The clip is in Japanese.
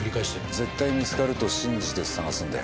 絶対見つかると信じて探すんだよ。